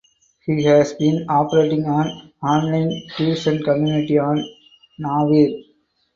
He has been operating an online tuition community on Naver.